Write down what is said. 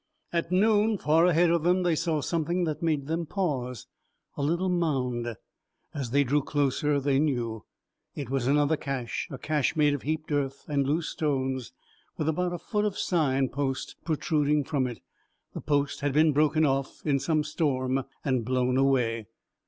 At noon, far ahead of them, they saw something that made them pause; a little mound. As they drew closer they knew. It was another cache, a cache made of heaped earth and loose stones with about a foot of sign post protruding from it. The post had been broken off in some storm and blown away.